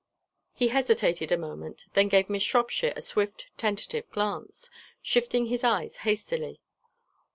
He hesitated a moment, then gave Miss Shropshire a swift tentative glance, shifting his eyes hastily.